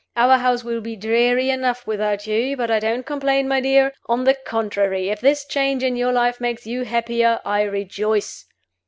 Our house will be dreary enough without you; but I don't complain, my dear. On the contrary, if this change in your life makes you happier, I rejoice.